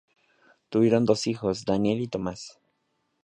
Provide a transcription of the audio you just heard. Tuvieron dos hijos, Daniel y Thomas.